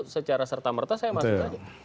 secara serta merta saya masuk aja